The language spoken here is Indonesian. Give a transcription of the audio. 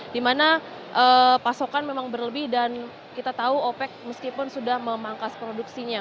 di mana pasokan memang berlebih dan kita tahu opec meskipun sudah memangkas produksinya